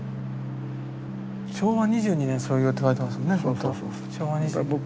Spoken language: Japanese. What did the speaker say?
「昭和２２年創業」って書いてますもんね。